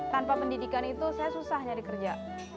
tanpa pendidikan itu saya susah nyari kerja